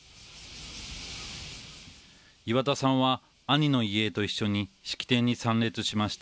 岩田さんは、兄の遺影と一緒に式典に参列しました。